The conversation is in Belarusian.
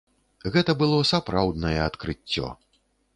Гэта было сапраўднае адкрыццё.